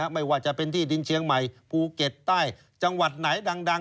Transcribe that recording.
ไม่ว่าจะเป็นที่ดินเชียงใหม่ภูเก็ตใต้จังหวัดไหนดัง